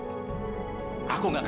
aku gak akan dengar